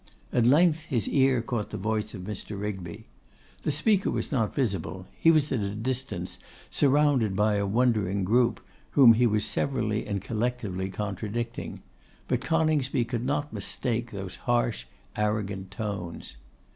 At length his ear caught the voice of Mr. Rigby. The speaker was not visible; he was at a distance surrounded by a wondering group, whom he was severally and collectively contradicting, but Coningsby could not mistake those harsh, arrogant tones.